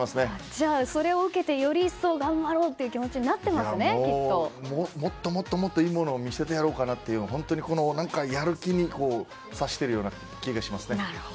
じゃあ、それを受けてより一層頑張ろうという気持ちにもっと、もっといいものを見せてやろうかなとやる気にさせている気がします。